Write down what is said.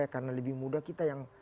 karena lebih muda kita yang